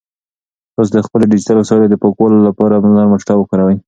تاسو د خپلو ډیجیټل وسایلو د پاکوالي لپاره نرمه ټوټه وکاروئ.